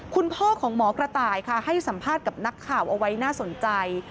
คุณพ่อของหมอกระต่ายค่ะให้สัมภาษณ์กับนักข่าวเอาไว้น่าสนใจ